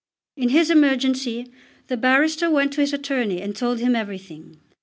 In his emergency the barrister went to his attorney and told him everything.